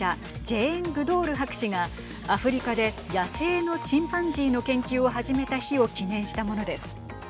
ジェーン・グドール博士がアフリカで野生のチンパンジーの研究を始めた日を記念したものです。